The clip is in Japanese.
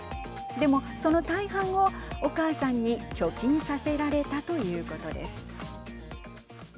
でも、その大半をお母さんに貯金させられたということです。